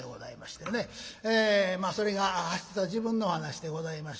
まあそれが走っていた時分のお噺でございまして。